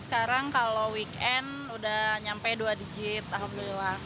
sekarang kalau weekend udah nyampe dua digit alhamdulillah